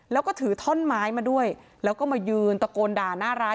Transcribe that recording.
แล้วก็ถือท่อนไม้มาด้วยแล้วก็มายืนตะโกนด่าหน้าร้าน